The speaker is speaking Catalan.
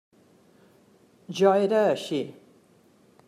Jo era així.